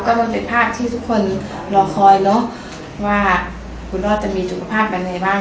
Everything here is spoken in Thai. ก็มันเป็นภาพที่ทุกคนรอคอยเนอะว่าคุณรอดจะมีสุขภาพยังไงบ้าง